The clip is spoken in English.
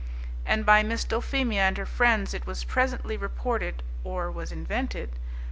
And by Miss Dulphemia and her friends it was presently reported or was invented?